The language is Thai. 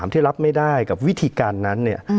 ที่รับไม่ได้กับวิธีการนั้น